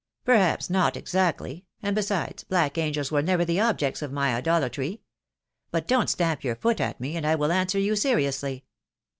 " Perhaps not exactly ; and besides, black angels were never the objects of my idolatry. But don't stamp your foot at me, and I will answer you seriously.